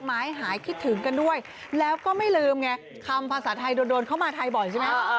ไม้หายคิดถึงกันด้วยแล้วก็ไม่ลืมไงคำภาษาไทยโดนเข้ามาไทยบ่อยใช่ไหม